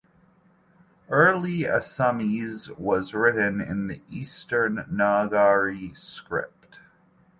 Early Assamese was written in Eastern Nagari script.